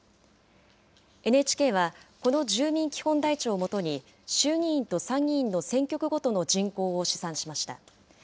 ＮＨＫは、この住民基本台帳を基に、衆議院と参議院の選挙区ごとの人口を試算しました。